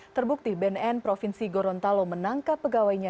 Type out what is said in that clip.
terbukti bnn provinsi gorontalo menangkap pegawainya